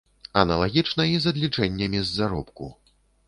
Аналагічна і з адлічэннямі з заробку.